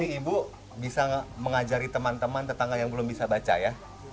ini ibu bisa mengajari teman teman tetangga yang belum bisa baca ya